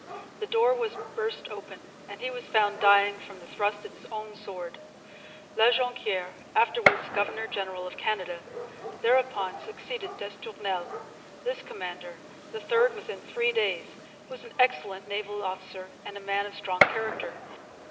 The door was burst open, and he was found dying from the thrust of his own sword. La Jonquiere, afterwards governor general of Canada, thereupon succeeded d'Estournel. This commander, the third within three days, was an excellent naval officer and a man of strong character.